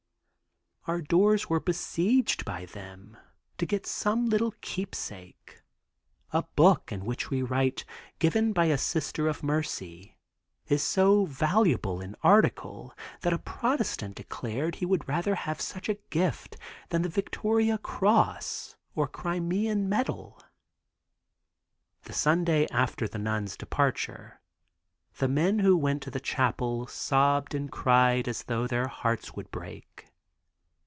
Our doors were besieged by them to get some little keepsake; a book in which we write 'Given by a Sister of Mercy' is so valuable an article that a Protestant declared he would rather have such a gift than the Victoria Cross or Crimean medal." The Sunday after the nuns' departure the men who went to the chapel sobbed and cried as though their hearts would break.